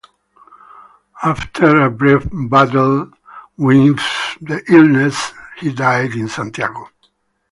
After a brief battle with the illness, he died in Santiago.